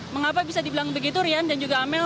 mengapa bisa dibilang begitu rian dan juga amel